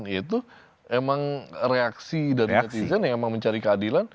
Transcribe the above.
itu emang reaksi dari netizen yang emang mencari keadilan